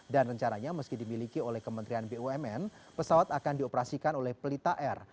dan rencananya meski dimiliki oleh kementerian bumn pesawat akan dioperasikan oleh pelita air